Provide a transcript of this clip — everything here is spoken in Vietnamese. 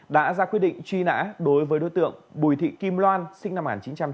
đã ra quyết định truy nã đối với đối tượng bùi thị kim loan sinh năm một nghìn chín trăm tám mươi